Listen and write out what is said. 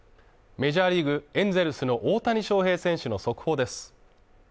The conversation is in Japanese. メジャーリーグエンゼルスの大谷翔平選手の速報です。